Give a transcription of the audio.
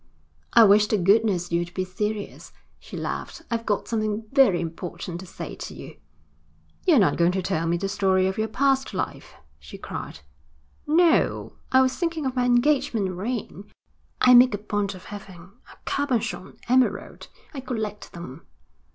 'I wish to goodness you'd be serious,' she laughed. 'I've got something very important to say to you.' 'You're not going to tell me the story of your past life,' he cried. 'No, I was thinking of my engagement ring. I make a point of having a cabochon emerald: I collect them.'